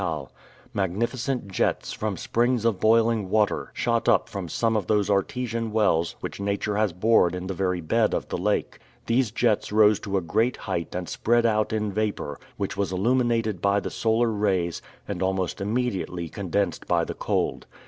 Magnificent jets, from springs of boiling water, shot up from some of those artesian wells which Nature has bored in the very bed of the lake. These jets rose to a great height and spread out in vapor, which was illuminated by the solar rays, and almost immediately condensed by the cold.